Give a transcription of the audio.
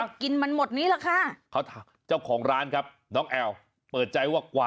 ก็กินมันหมดนี้แหละค่ะ